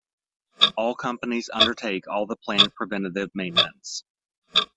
All companies undertake all the planned preventative maintenance.